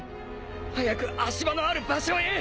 早く足場のある場所へ。